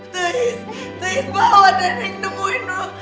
teris teris bawa nenek nemuin lu